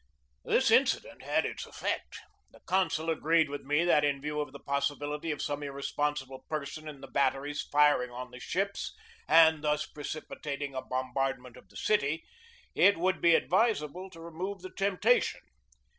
This incident had its effect. The consul agreed with me that, in view of the possibility of some irre sponsible person in the batteries firing on the ships and thus precipitating a bombardment of the city, it would be advisable to remove the temptation.